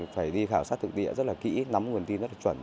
phải đi khảo sát thực địa rất là kỹ nắm nguồn tin rất là chuẩn